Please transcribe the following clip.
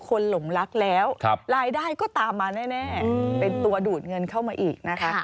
หลงรักแล้วรายได้ก็ตามมาแน่เป็นตัวดูดเงินเข้ามาอีกนะคะ